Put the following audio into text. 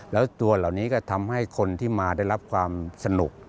แล้วตัวเหล่านี้ก็ทำให้คนที่มาได้รับความสนุก